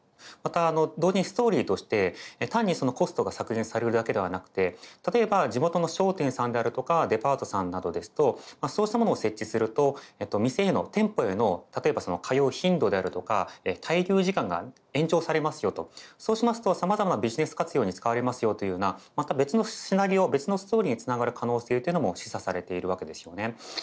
また同時にストーリーとして単にコストが削減されるだけではなくて例えば地元の商店さんであるとかデパートさんなどですとそうしたものを設置すると店への店舗への例えば通う頻度であるとか滞留時間が延長されますよとそうしますとさまざまなビジネス活用に使われますよというようなまた別のシナリオ別のストーリーにつながる可能性というのも示唆されているわけですよね。